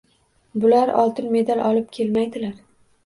Bular oltin medal olib kelmaydilar